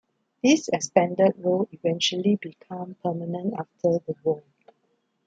This expanded role eventually became permanent after the war.